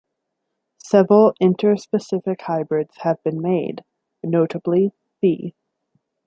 Several interspecific hybrids have been made, notably B.